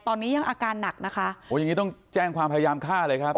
ตอนนี้ยังอาการหนักนะคะโอ้อย่างงี้ต้องแจ้งความพยายามฆ่าเลยครับ